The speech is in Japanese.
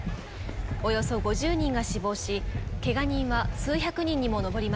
およそ５０人が死亡しけが人は数百人にも上りました。